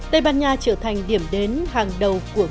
tây ban nha trở thành điểm đến hàng đầu của mỹ